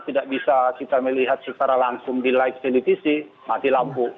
tidak bisa kita melihat secara langsung di light di litisi mati lampu